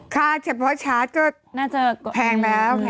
ค่าเฉพาะชาร์จก็น่าจะแพงแล้ว